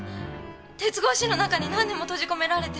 鉄格子の中に何年も閉じ込められて。